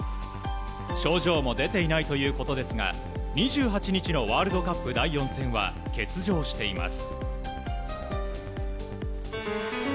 症状も出ていないということですが２８日のワールドカップ第４戦は欠場しています。